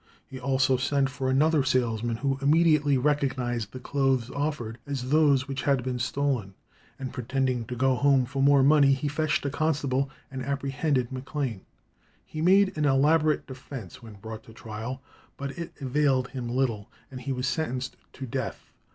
He also sent for another salesman, who immediately recognized the clothes offered as those which had been stolen, and pretending to go home for more money, he fetched a constable and apprehended Maclane. He made an elaborate defence when brought to trial, but it availed him little, and he was sentenced to death.